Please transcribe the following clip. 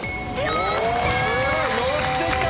よっしゃ！